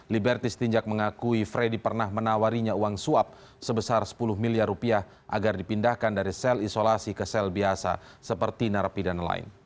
liberty stinjak mengakui freddy pernah menawarinya uang suap sebesar sepuluh miliar rupiah agar dipindahkan dari sel isolasi ke sel biasa seperti narapidana lain